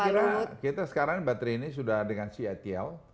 saya kira kita sekarang baterai ini sudah dengan citl